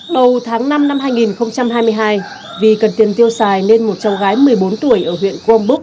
đầu tháng năm năm hai nghìn hai mươi hai vì cần tiền tiêu xài nên một cháu gái một mươi bốn tuổi ở huyện crong búc